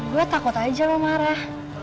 gue takut aja lo marah